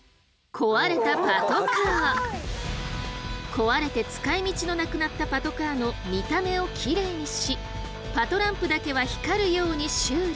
壊れて使いみちのなくなったパトカーの見た目をきれいにしパトランプだけは光るように修理。